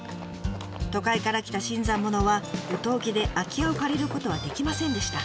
都会から来た新参者は有東木で空き家を借りることはできませんでした。